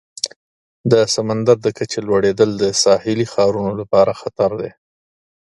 د سمندر د کچې لوړیدل د ساحلي ښارونو لپاره خطر دی.